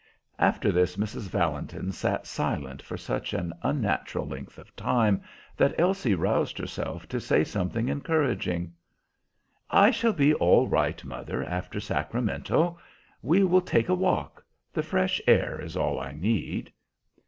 After this, Mrs. Valentin sat silent for such an unnatural length of time that Elsie roused herself to say something encouraging. "I shall be all right, mother, after Sacramento. We will take a walk. The fresh air is all I need."